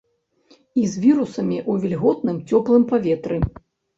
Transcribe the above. І з вірусамі ў вільготным, цёплым паветры.